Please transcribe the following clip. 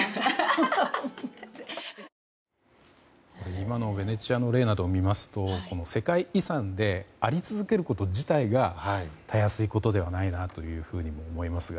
今のベネチアの例などを見ますと世界遺産であり続けること自体がたやすいことではないなと思いますが。